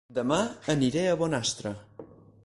Dema aniré a Bonastre